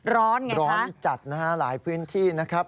ร้อนร้อนจัดนะฮะหลายพื้นที่นะครับ